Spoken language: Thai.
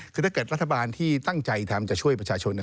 คือถ้าเกิดรัฐบาลที่ตั้งใจทำจะช่วยประชาชน